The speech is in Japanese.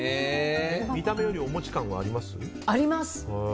見た目よりお餅感あります？